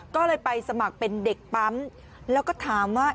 ก็เลยไปสมัครเป็นเด็กปั๊มแล้วก็ถามว่า